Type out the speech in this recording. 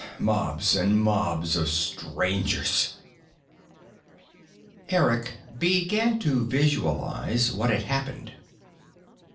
Mobs and mobs of Strangers." Eric began to visualize what had happened.